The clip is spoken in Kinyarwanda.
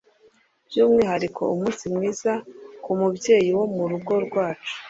By’umwihariko (umunsi mwiza) ku mubyeyi wo mu rugo rwacu